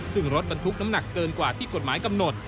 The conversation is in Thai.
ซึ่งรถบรรทุกน้ำหนักเกินกว่าที่กฎหมายกำหนด